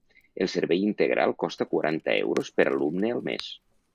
El servei integral costa quaranta euros per alumne al mes.